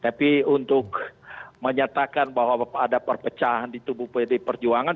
tapi untuk menyatakan bahwa ada perpecahan di tubuh pdi perjuangan